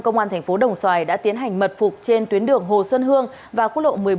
công an thành phố đồng xoài đã tiến hành mật phục trên tuyến đường hồ xuân hương và quốc lộ một mươi bốn